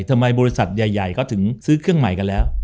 ทำไมบริษัทใหญ่เขาถึงซื้อเครื่องใหม่กันแล้ว